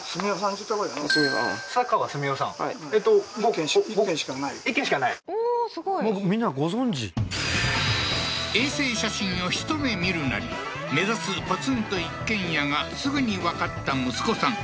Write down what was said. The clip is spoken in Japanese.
おおーすごいみんなご存じ衛星写真をひと目見るなり目指すポツンと一軒家がすぐにわかった息子さん